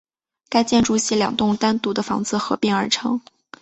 该建筑系两栋单独的房子合并而成。